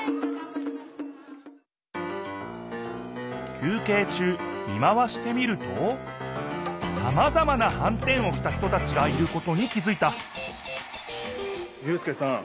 休けい中見回してみるとさまざまなはんてんをきた人たちがいることに気づいた祐輔さん